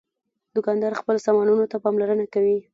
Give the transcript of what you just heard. دوکاندار خپلو سامانونو ته پاملرنه کوي.